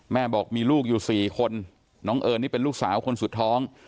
บอกมีลูกอยู่๔คนน้องเอิญนี่เป็นลูกสาวคนสุดท้อง